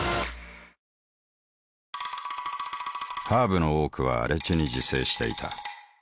ハーブの多くは荒地に自生していた。